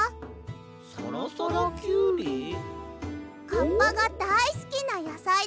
カッパがだいすきなやさいだよ。